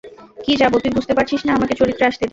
কী যাব, তুই বুঝতে পারছিস না, আমাকে চরিত্রে আসতে দে।